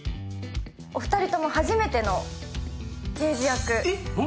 お二人とも初めての刑事役えっ？